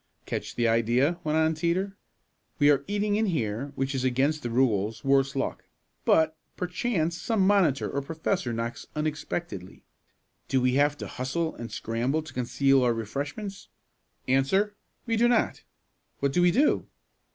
"Catch the idea," went on Teeter. "We are eating in here, which is against the rules, worse luck. But, perchance, some monitor or professor knocks unexpectedly. Do we have to hustle and scramble to conceal our refreshments? Answer we do not. What do we do?"